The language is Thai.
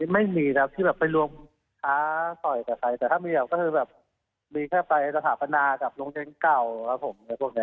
ไม่มีนะครับที่ไปรวมท้าต่อยกับใครแต่ถ้ามีอย่างก็คือแบบมีแค่ไปสถาพนากับลงเช้นเก่าครับผม